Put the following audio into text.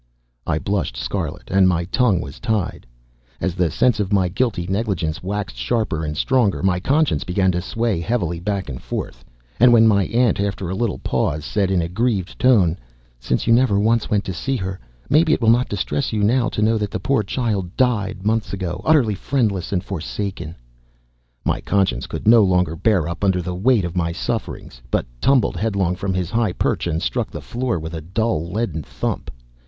I blushed scarlet, and my tongue was tied. As the sense of my guilty negligence waxed sharper and stronger, my Conscience began to sway heavily back and forth; and when my aunt, after a little pause, said in a grieved tone, "Since you never once went to see her, maybe it will not distress you now to know that that poor child died, months ago, utterly friendless and forsaken!" My Conscience could no longer bear up under the weight of my sufferings, but tumbled headlong from his high perch and struck the floor with a dull, leaden thump.